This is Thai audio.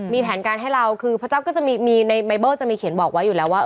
มีแผนการให้เราคือพระเจ้าก็จะมีในไมเบอร์จะมีเขียนบอกไว้อยู่แล้วว่า